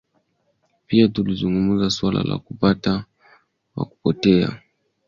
Pia tulizungumzia suala la kupotea kwa kulazimishwa, mauaji holela, suala la kile kinachojulikana kama nyumba salama